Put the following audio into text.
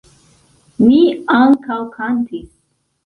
Ni ankaŭ kantis.